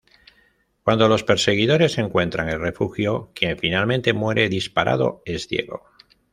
Cuando los perseguidores encuentran el refugio, quien finalmente muere disparado es Diego.